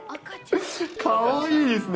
かわいいですね。